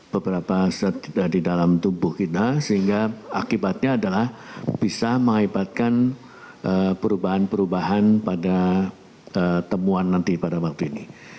beberapa set di dalam tubuh kita sehingga akibatnya adalah bisa mengakibatkan perubahan perubahan pada temuan nanti pada waktu ini